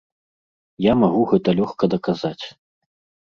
Я магу гэта лёгка даказаць.